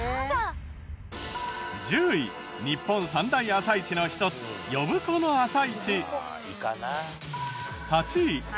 １０位日本三大朝市の一つ呼子の朝市。